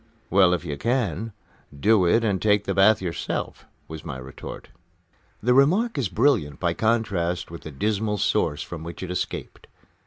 "Well, if you can, do it and take the bath yourself," was my retort. The remark is brilliant by contrast with the dismal source from which it escaped.